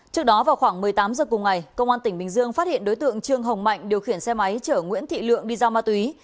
trước đó vào khoảng một mươi tám h cùng ngày công an tỉnh bình dương phát hiện đối tượng trương hồng mạnh điều khiển xe máy chở nguyễn thị lượng đi giao ma túy